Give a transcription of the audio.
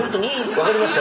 分かりました。